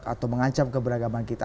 atau mengancam keberagaman kita